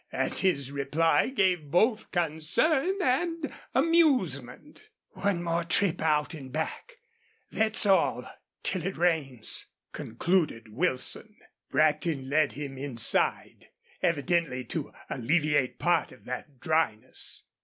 And his reply gave both concern and amusement. "One more trip out an' back thet's all, till it rains," concluded Wilson. Brackton led him inside, evidently to alleviate part of that dryness.